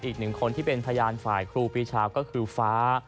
อีกหนึ่งคนที่เป็นพยานฝ่ายครูปีชาก็คือฟ้า